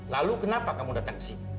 lalu kenapa kamu datang ke sini